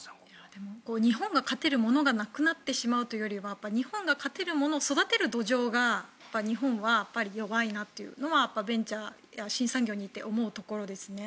でも、日本が勝てるものがなくなってしまうというよりは日本が勝てるものを育てる土壌が日本は弱いなというのはベンチャーや新産業にいて思うところですね。